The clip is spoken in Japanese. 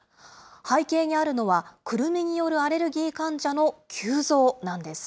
背景にあるのは、くるみによるアレルギー患者の急増なんです。